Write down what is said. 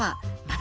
あ！